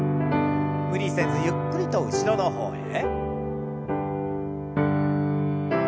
無理せずゆっくりと後ろの方へ。